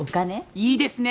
いいですね。